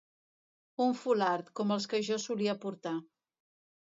Un fulard, com els que jo solia portar.